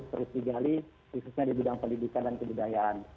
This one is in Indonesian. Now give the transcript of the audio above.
terus digali khususnya di bidang pendidikan dan kebudayaan